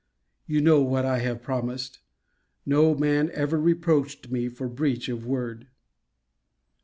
You know what I have promised. No man ever reproached me for breach of word.